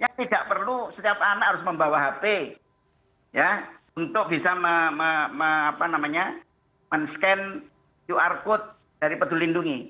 yang tidak perlu setiap anak harus membawa hp untuk bisa men scan qr code dari peduli lindungi